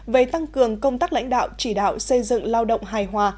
về tăng cường công tác lãnh đạo chỉ đạo xây dựng lao động hài hòa